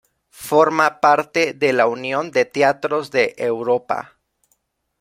Forma parte de la Unión de Teatros de Europa.